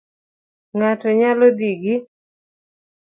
Ng'ato nyalo dhi gi